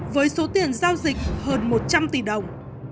với số tiền giao dịch hơn một trăm linh tỷ đồng